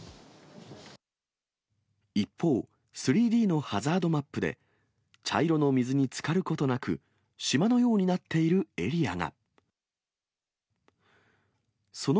一方、３Ｄのハザードマップで、茶色の水につかることなく、島のようになっているエリアが。